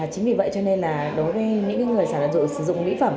chính vì vậy cho nên là đối với những người sản phẩm sử dụng mỹ phẩm